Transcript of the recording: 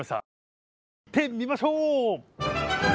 早速行ってみましょう！